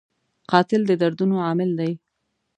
قاتل د دردونو عامل دی